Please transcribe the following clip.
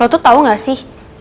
tuh tau gak sih